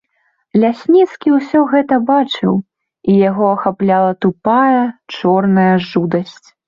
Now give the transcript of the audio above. Лясніцкі ўсё гэта бачыў, і яго ахапляла тупая, чорная жудасць.